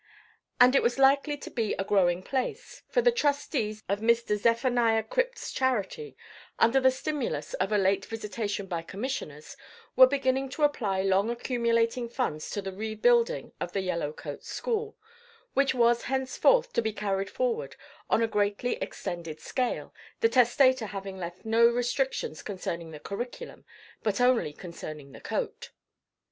And it was likely to be a growing place, for the trustees of Mr. Zephaniah Crypt's Charity, under the stimulus of a late visitation by commissioners, were beginning to apply long accumulating funds to the rebuilding of the Yellow Coat School, which was henceforth to be carried forward on a greatly extended scale, the testator having left no restrictions concerning the curriculum, but only concerning the coat.